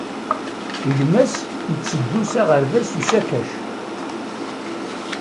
Gma-s itteddu s aɣerbaz s usakac.